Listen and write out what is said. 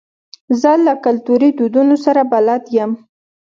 زه له کلتوري دودونو سره بلد یم.